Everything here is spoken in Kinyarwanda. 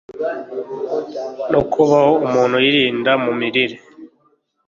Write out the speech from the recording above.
no kubaho umuntu yirinda mu mirire